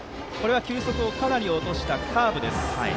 球速を大きく落としたカーブです。